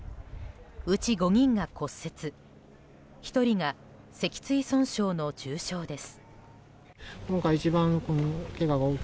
うち５人が骨折１人が脊椎損傷の重傷です。